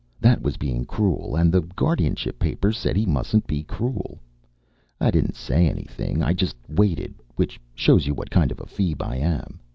That was being cruel, and the guardianship papers said he mustn't be cruel. I didn't say anything. I just waited, which shows you what kind of a feeb I am.